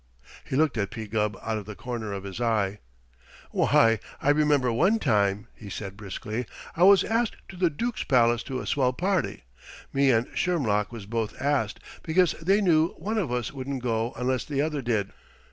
He looked at P. Gubb out of the corner of his eye. "Why, I remember one time," he said briskly, "I was asked to the Dook's palace to a swell party. Me and Shermlock was both asked, because they knew one of us wouldn't go unless the other did.